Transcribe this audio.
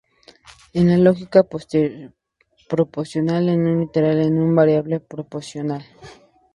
En la lógica proposicional, un literal es una variable proposicional.